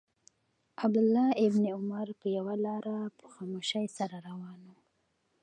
عبدالله بن عمر پر یوه لاره په خاموشۍ سره روان و.